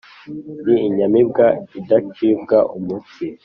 ndi inyamibwa idacibwa umutsi